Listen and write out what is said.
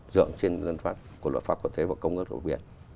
dựa trên luật pháp quốc tế và công ước của biện